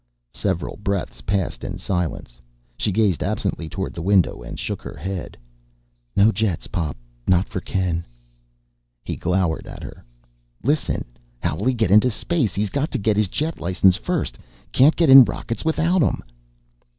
Several breaths passed in silence. She gazed absently toward the window and shook her head. "No jets, Pop. Not for Ken." He glowered at her. "Listen! How'll he get into space? He's got to get his jet licenses first. Can't get in rockets without 'em."